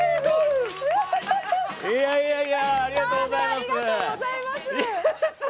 ありがとうございます。